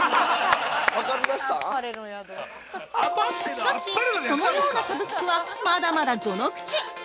◆しかし、そのようなサブスクはまだまだ序の口。